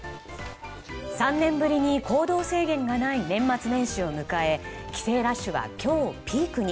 ３年ぶりに行動制限がない年末年始を迎え帰省ラッシュは今日、ピークに。